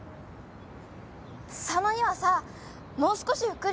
佐野にはさもう少しゆっくり。